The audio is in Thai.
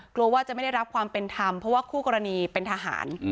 กลัวว่าจะไม่ได้รับความเป็นธรรมเพราะว่าคู่กรณีเป็นทหาร